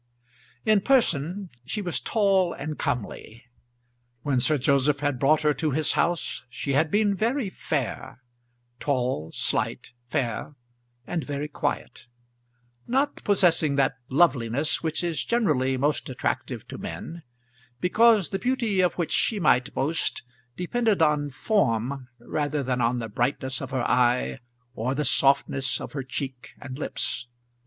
In person she was tall and comely. When Sir Joseph had brought her to his house she had been very fair, tall, slight, fair, and very quiet, not possessing that loveliness which is generally most attractive to men, because the beauty of which she might boast depended on form rather than on the brightness of her eye, or the softness of her cheek and lips.